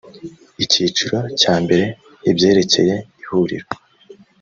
icyiciro cya mbere ibyerekeye ihuriro